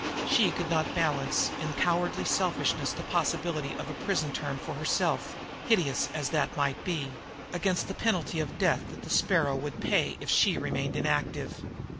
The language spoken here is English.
She could not balance in cowardly selfishness the possibility of a prison term for herself, hideous as that might be, against the penalty of death that the Sparrow would pay if she remained inactive.